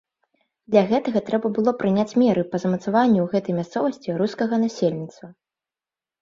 Для гэтага трэба было прыняць меры па замацаванню ў гэтай мясцовасці рускага насельніцтва.